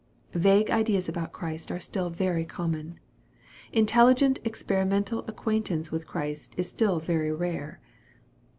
Vague ideas about Christ are still very common. Intel ligent experimental acquaintance with Christ is still very rare.